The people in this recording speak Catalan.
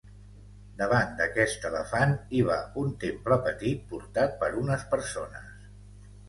Davant d'aquest elefant hi va un temple petit portat per unes persones.